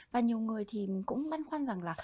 và nhiều người thì cũng băn khoăn rằng là